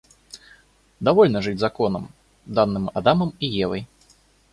Довольно жить законом, данным Адамом и Евой.